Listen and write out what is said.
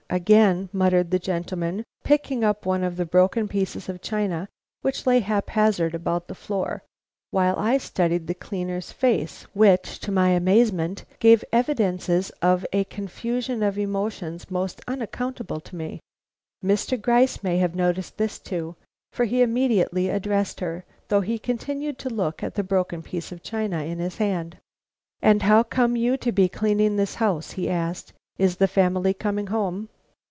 again muttered the gentleman, picking up one of the broken pieces of china which lay haphazard about the floor, while I studied the cleaner's face, which, to my amazement, gave evidences of a confusion of emotions most unaccountable to me. Mr. Gryce may have noticed this too, for he immediately addressed her, though he continued to look at the broken piece of china in his hand. "And how come you to be cleaning the house?" he asked. "Is the family coming home?"